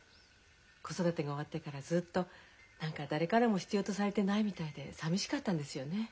子育てが終わってからずっと何か誰からも必要とされてないみたいでさみしかったんですよね。